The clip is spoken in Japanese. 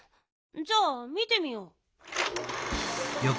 じゃあ見てみよう。